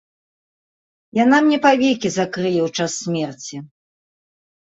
Яна мне павекі закрые ў час смерці.